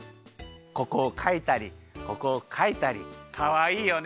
ここをかいたりここをかいたりかわいいよね。